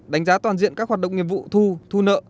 đánh giá toàn diện các hoạt động nghiệp vụ thu thu nợ